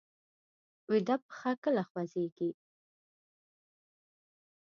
ویده پښه کله خوځېږي